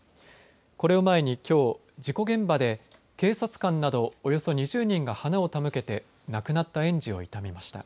これを前にきょう事故現場で警察官などおよそ２０人が花を手向けて亡くなった園児を悼みました。